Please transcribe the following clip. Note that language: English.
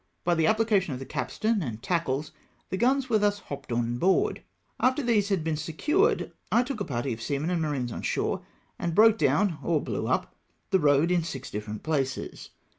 By the application of the capstan and tackles, the guns were thus hopped on board. After these had been secured, I again took a party of seamen and marines on shore, and broke down or blew up the road in six different places.